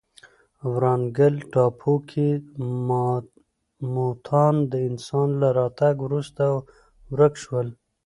ورانګل ټاپو کې ماموتان د انسان له راتګ وروسته ورک شول.